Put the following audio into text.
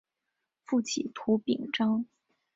父亲涂秉彰。